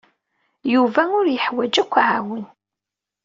Yuba ur yeḥwaj akk aɛawen.